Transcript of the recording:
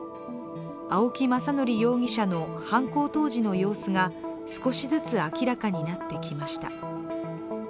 青木政憲容疑者の犯行当時の様子が少しずつ明らかになってきました。